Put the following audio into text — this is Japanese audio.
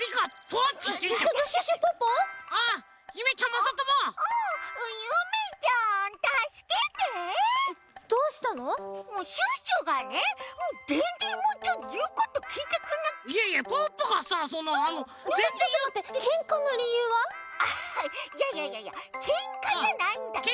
アッハいやいやいやいやけんかじゃないんだけど。